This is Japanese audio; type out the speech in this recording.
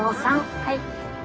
はい。